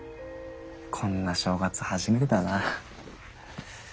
こんな正月初めてだなあ。